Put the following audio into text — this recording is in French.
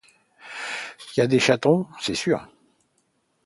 Y’a des chatons, c’est sûr…